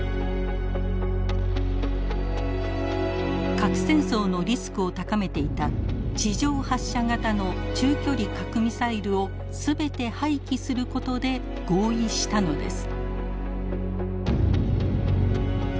核戦争のリスクを高めていた地上発射型の中距離核ミサイルを全て廃棄することで合意したのです。